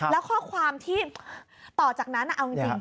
แล้วข้อความที่ต่อจากนั้นเอาจริง